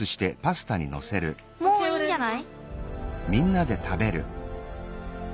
もういいんじゃない？